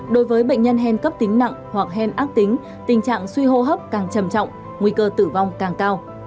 đối với bệnh nhân hen cấp tính nặng hoặc hen ác tính tình trạng suy hô hấp càng trầm trọng nguy cơ tử vong càng cao